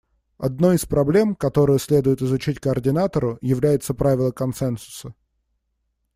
Одной из проблем, которую следует изучить координатору, является правило консенсуса.